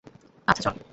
আচ্ছা, চল।